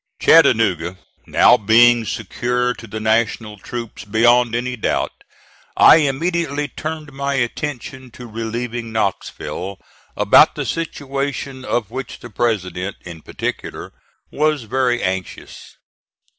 Chattanooga now being secure to the National troops beyond any doubt, I immediately turned my attention to relieving Knoxville, about the situation of which the President, in particular, was very anxious.